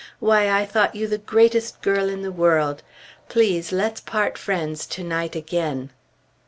Why, I thought you the greatest girl in the world! Please let's part friends to night again!"